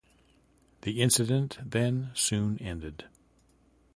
The incident then soon ended.